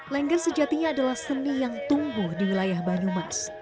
lengger sejatinya adalah seni yang tumbuh di wilayah banyumas